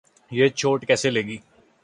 یہ چوٹ کیسے لگی؟